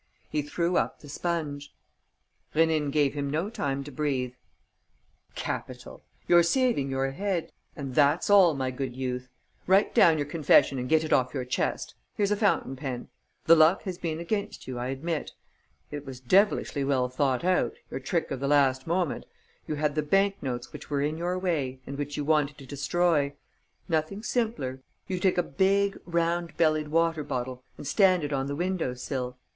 He threw up the sponge. Rénine gave him no time to breathe: "Capital! You're saving your head; and that's all, my good youth! Write down your confession and get it off your chest. Here's a fountain pen.... The luck has been against you, I admit. It was devilishly well thought out, your trick of the last moment. You had the bank notes which were in your way and which you wanted to destroy. Nothing simpler. You take a big, round bellied water bottle and stand it on the window sill.